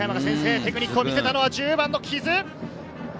テクニックを見せたのは木津。